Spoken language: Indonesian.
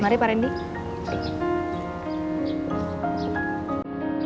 mari pak randy